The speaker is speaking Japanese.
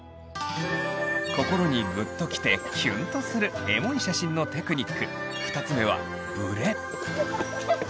心にグッときてキュンとするエモい写真のテクニック２つ目はブレ。